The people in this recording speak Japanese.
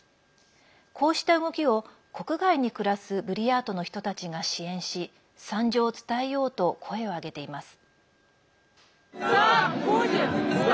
こうした動きを国外に暮らすブリヤートの人たちが支援し惨状を伝えようと声を上げています。